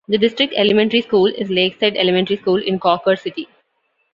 The district elementary school is Lakeside Elementary school in Cawker City.